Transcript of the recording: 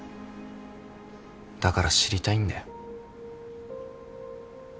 だから知りたいんだよ。